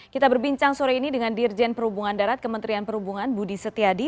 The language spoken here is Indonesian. kita berbincang sore ini dengan dirjen perhubungan darat kementerian perhubungan budi setiadi